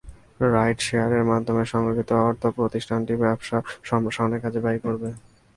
Right শেয়ারের মাধ্যমে সংগৃহীত অর্থ প্রতিষ্ঠানটি ব্যবসা সম্প্রসারণের কাজে ব্যয় করবে।